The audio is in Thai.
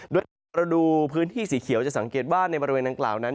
ถ้าหากเราดูพื้นที่สีเขียวจะสังเกตว่าในบริเวณดังกล่าวนั้น